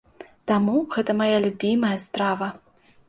Таму гэта мая любімае страва.